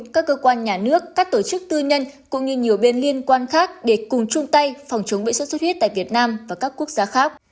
các cơ quan nhà nước các tổ chức tư nhân cũng như nhiều bên liên quan khác để cùng chung tay phòng chống bệnh xuất xuất huyết tại việt nam và các quốc gia khác